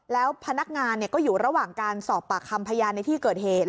แล้วพนักงานก็อยู่ระหว่างการสอบปากคำพยานในที่เกิดเหตุ